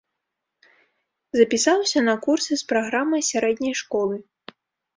Запісаўся на курсы з праграмай сярэдняй школы.